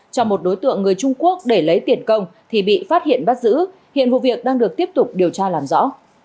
quốc để lấy tiền công thì bị phát hiện bắt giữ hiện vụ việc đang được tiếp tục điều tra làm rõ